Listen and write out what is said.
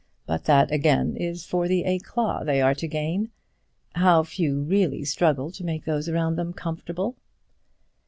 but that, again, is for the éclat they are to gain. How few really struggle to make those around them comfortable!"